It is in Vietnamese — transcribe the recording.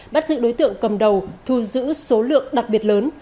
bắt giữ đối tượng cầm đầu thu giữ số lượng đặc biệt lớn